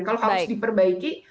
kalau harus diperbaiki